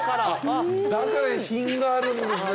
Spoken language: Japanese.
だから品があるんですね